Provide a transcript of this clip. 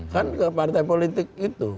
kan ke partai politik itu